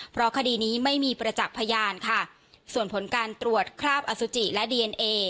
เพราะคดีนี้ไม่มีประจักษ์พยานค่ะส่วนผลการตรวจคราบอสุจิและดีเอนเอ